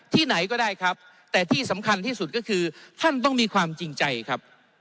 ไหนก็ได้ครับแต่ที่สำคัญที่สุดก็คือท่านต้องมีความจริงใจครับ